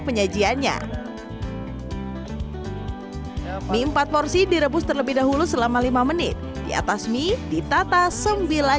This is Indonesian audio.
penyajiannya mie empat porsi direbus terlebih dahulu selama lima menit di atas mie ditata